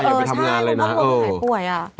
เออใช่คุณพ่อของคุณแม่หายป่วยอ่ะ